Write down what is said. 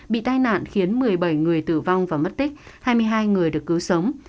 bị tai nạn khiến một mươi bảy người tử vong và mất tích hai mươi hai người được cứu sống